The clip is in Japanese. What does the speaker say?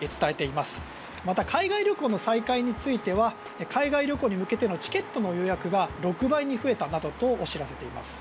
また、海外旅行の再開については海外旅行に向けてのチケットの予約が６倍に増えたなどと知らせています。